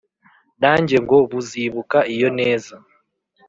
nanjye ngo buzibuka iyo neza